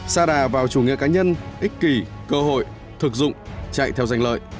xa đà vào chủ nghĩa cá nhân ích kỳ cơ hội thực dụng chạy theo danh lợi